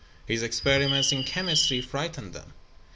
His experiments in chemistry frightened them.